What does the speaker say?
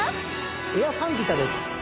エアファンディタです。